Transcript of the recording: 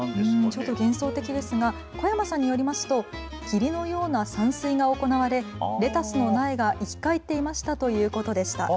ちょっと幻想的ですが小山さんによりますと霧のような散水が行われレタスの苗が生き返っていましたということでした。